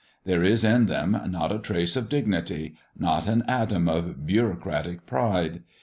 There is in them not a trace of dignity! not an atom of bureaucratic pride!